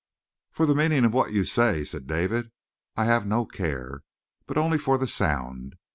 "For the meaning of what you say," said David, "I have no care, but only for the sound.